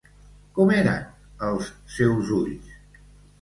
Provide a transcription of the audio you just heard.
Com eren els seus ulls?